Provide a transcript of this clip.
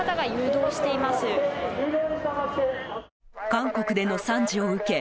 韓国での惨事を受け